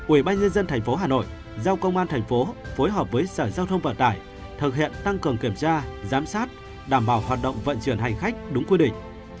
ubnd tp hà nội giao công an tp phối hợp với sở giao thông vận tải thực hiện tăng cường kiểm tra giám sát đảm bảo hoạt động vận chuyển hành khách đúng quy định